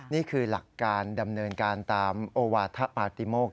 นี่คือหลักการดำเนินการตามโอวาธปาติโมก